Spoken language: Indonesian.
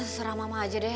serah mama aja deh